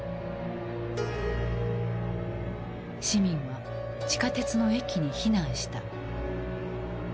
市民は地下鉄の駅に避難した。